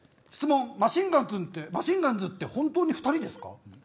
質問、マシンガンズって本当に２人ですか。